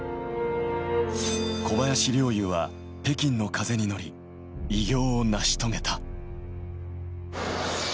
小林陵侑は北京の風に乗り、偉業を成し遂げた。